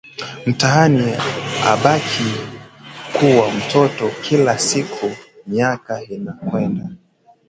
Mtaani habaki kuwa mtoto kila siku, miaka inakwenda